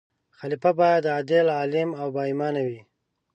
خلیفه باید عادل، عالم او با ایمان وي.